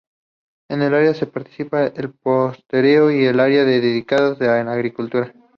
En el área se practica el pastoreo y hay áreas dedicadas a agricultura.